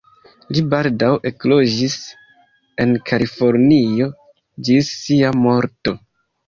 Li baldaŭ ekloĝis en Kalifornio ĝis sia morto.